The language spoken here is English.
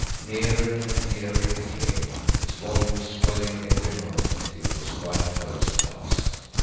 Nearer and nearer it came, its volume swelling every moment, till it was quite close at last.